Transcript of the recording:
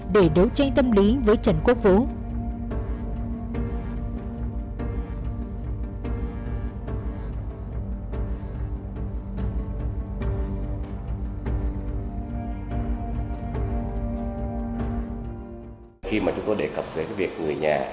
để đấu tranh tâm lý với trần quốc vũ